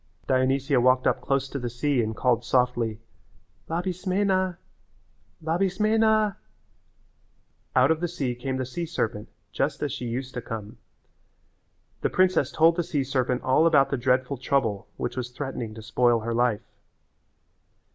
Dionysia walked up close to the sea and called softly, "Labismena, Labismena." Out of the sea came the sea serpent just as she used to come. The princess told the sea serpent all about the dreadful trouble which was threatening to spoil her life.